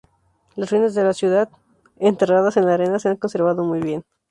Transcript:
Las ruinas de la ciudad, enterradas en la arena, se han conservado muy bien.